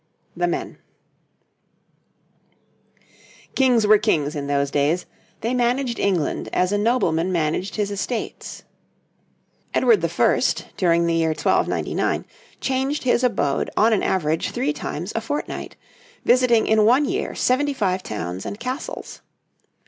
THE MEN Kings were Kings in those days; they managed England as a nobleman managed his estates. Edward I., during the year 1299, changed his abode on an average three times a fortnight, visiting in one year seventy five towns and castles.